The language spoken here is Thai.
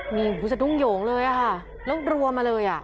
นี่สดุ้งโหงเลยอะค่ะแล้วรวมมาเลยอะ